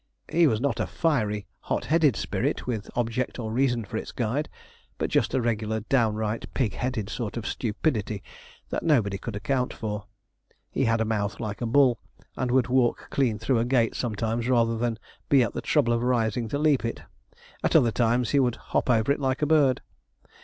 His was not a fiery, hot headed spirit, with object or reason for its guide, but just a regular downright pig headed sort of stupidity, that nobody could account for. He had a mouth like a bull, and would walk clean through a gate sometimes rather than be at the trouble of rising to leap it; at other times he would hop over it like a bird.